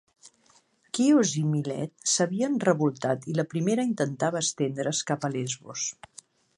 Quios i Milet s'havien revoltat i la primera intentava estendre's cap a Lesbos.